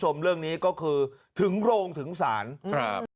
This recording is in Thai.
ใช่ค่ะมั่นใจค่ะ